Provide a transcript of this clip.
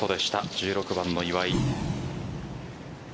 １６番の岩井。